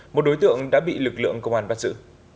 một đối tượng đã bị lực lượng công an bắt giữ